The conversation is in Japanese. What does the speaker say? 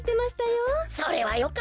それはよかったのだ。